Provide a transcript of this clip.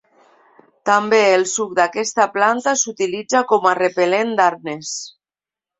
També el suc d'aquesta planta s'utilitza com a repel·lent d'arnes.